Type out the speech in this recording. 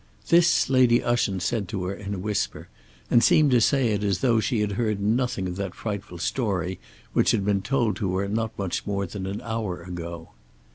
This Lady Ushant said to her in a whisper, and seemed to say it as though she had heard nothing of that frightful story which had been told to her not much more than an hour ago.